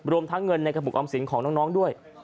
ทั้งเงินในกระปุกออมสินของน้องด้วย